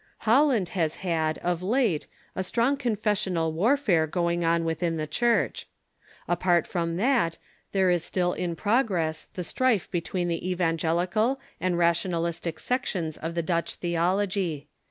Holland has had, of late, a strong confessional warfare go ing on within the Church. Apart fiom that, there is still in 428 THE MODERN CHURCH progress the strife between the evangelical and rationalistic sections of the Dutch theology.